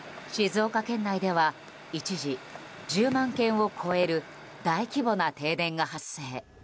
静岡県内では一時１０万軒を超える大規模な停電が発生。